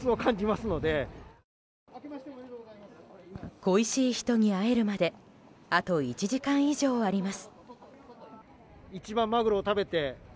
恋しい人に会えるまであと１時間以上あります。